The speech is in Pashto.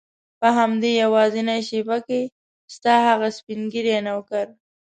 په همدې یوازینۍ شېبه کې ستا هغه سپین ږیری نوکر.